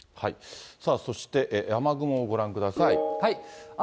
さあ、そして雨雲をご覧ください。